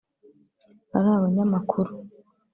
ari abanyamakuru